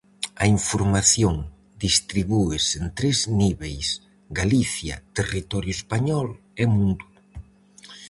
A información distribúese en tres niveis: Galicia, Territorio español e Mundo.